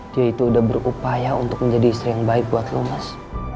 dia itu udah berupaya untuk menjadi istri yang baik buat lu mas